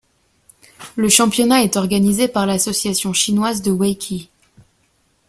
Le championnat est organisé par l'association chinoise de weiqi.